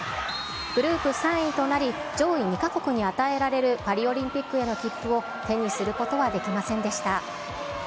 グループ３位となり、上位２か国に与えられるパリオリンピックへの切符を手にすることはできませんでした。